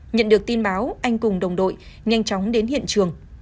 nhận được tin báo anh cùng đồng đội nhanh chóng đến hiện trường